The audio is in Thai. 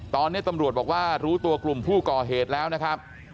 ตอนนี้ตำรวจบอกว่ารู้ตัวกลุ่มผู้ก่อเหตุแล้วนะครับ